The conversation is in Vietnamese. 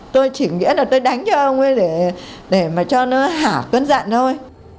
tôi chỉ nghĩ là tôi đánh cho ông ấy để mà cho nó hả cân dặn thôi